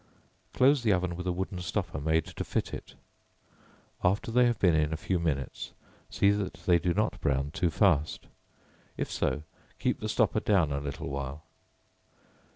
Close the oven with a wooden stopper made to fit it; after they have been in a few minutes, see that they do not brown too fast; if so, keep the stopper down a little while.